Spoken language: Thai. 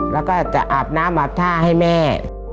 แล้วก็จะอาบน้ำอาบท่าให้แม่